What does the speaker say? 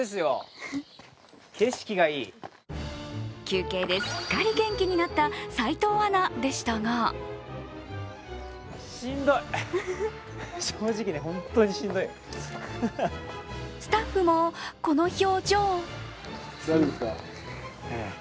休憩ですっかり元気になった齋藤アナでしたがスタッフも、この表情。